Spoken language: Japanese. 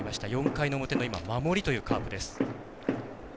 ４回の表の守りというカープです。